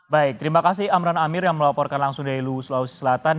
baik terima kasih amran amir yang melaporkan langsung dari luwu sulawesi selatan